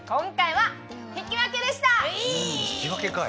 引き分けかい！